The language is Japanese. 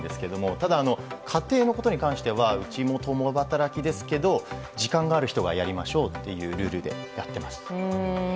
ただ、家庭のことに関してはうちも共働きですけど時間がある人がやりましょうというルールでやっています。